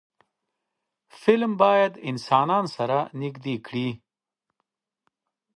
فلم باید انسانان سره نږدې کړي